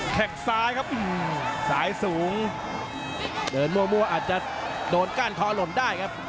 กซ้ายครับซ้ายสูงเดินมั่วอาจจะโดนก้านคอหล่นได้ครับ